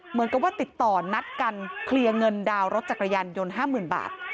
เหมือนกับว่าติดต่อนัดกันเคลียร์เงินดาวน์รถจักรยานยนต์๕๐๐๐บาท